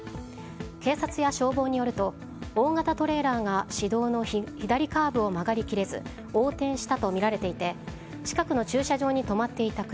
警察や消防によると大型トレーラーが市道の左カーブを曲がり切れず横転したとみられていて近くの駐車場に止まっていた車